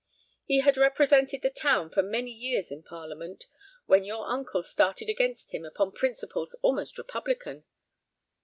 He had represented the town for many years in parliament, when your uncle started against him upon principles almost republican.